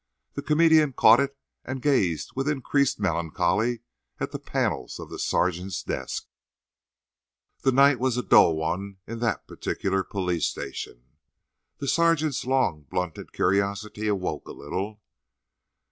The comedian caught it, and gazed with increased melancholy at the panels of the sergeant's desk. The night was a dull one in that particular police station. The sergeant's long blunted curiosity awoke a little.